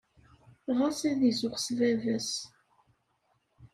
Ɣas ad izuxx s baba-s.